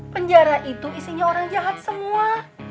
penjara itu isinya orang jahat semua